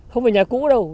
không phải nhà cũ đâu